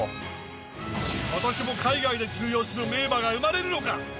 今年も海外で通用する名馬が生まれるのか。